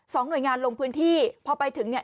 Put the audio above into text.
หน่วยงานลงพื้นที่พอไปถึงเนี่ย